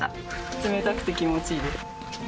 冷たくて気持ちいいです。